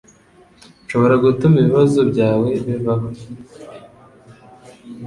Nshobora gutuma ibibazo byawe bivaho